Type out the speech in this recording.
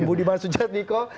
budi masudjat diko